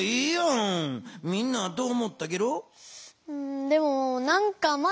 みんなはどう思ったゲロ？